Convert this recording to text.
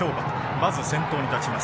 まず先頭に立ちます。